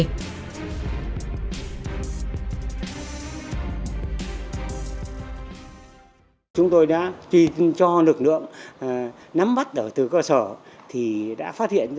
một người khác thì cho hay nhìn thấy sâm gánh một đôi thúng rất nặng đi